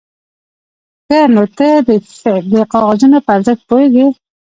_ښه، نو ته د کاغذونو په ارزښت پوهېږې؟